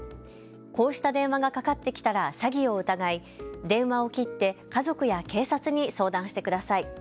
こうした電話がかかってきたら詐欺を疑い電話を切って家族や警察に相談してください。